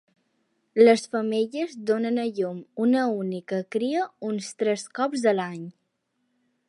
Les femelles donen a llum una única cria uns tres cops l'any.